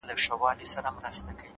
د سهار لومړۍ درز رڼا کوټه بدلوي,